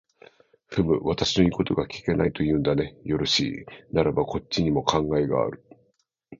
ふむ、私の言うことが聞けないと言うんだね。よろしい、ならばこっちにも考えがある。